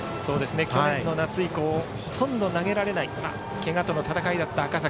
去年の夏以降ほとんど投げられないけがとの闘いだった赤嵜。